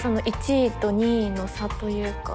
１位と２位の差というか。